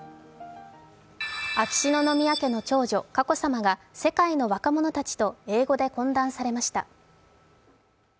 秋篠宮家の佳子さまが世界の若者たちと英語で懇談されました。